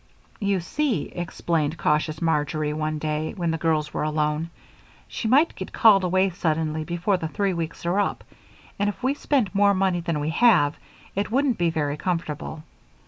"You see," explained cautious Marjory, one day when the girls were alone, "she might get called away suddenly before the three weeks are up, and if we spent more money than we have it wouldn't be very comfortable.